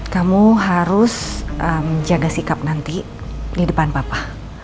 kamu harus menjaga sikap nanti di depan papa